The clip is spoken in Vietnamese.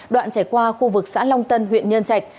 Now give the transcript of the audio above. đoạn chảy qua khu vực xã long tân huyện nhân trạch